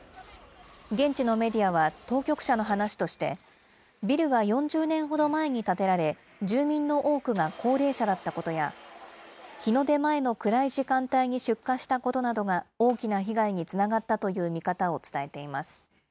現地のメディアは当局者の話として、ビルが４０年ほど前に建てられ、住民の多くが高齢者だったことや、日の出前の暗い時間帯に出火したことなどが大きな被害につながったという見方を伝えています。